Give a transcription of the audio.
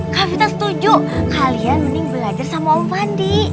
kak vita setuju kalian mending belajar sama om pandi